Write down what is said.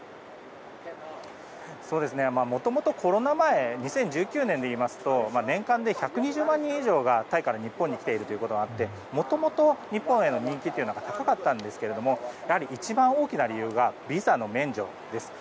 もともとコロナ前２０１９年でいいますと年間で１２０万人以上がタイから日本に来ていたこともあってもともと、日本への人気は高かったんですけどもやはり一番大きな理由がビザの免除です。